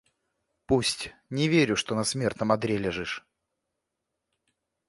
Пусть, — не верю, что на смертном одре лежишь.